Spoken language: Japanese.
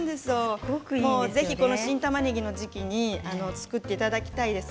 ぜひ、この新たまねぎの時期に作っていただきたいです。